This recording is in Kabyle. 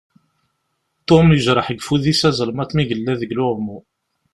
Tom yejreḥ deg ufud-is azelmaḍ mi yella deg uluɣmu.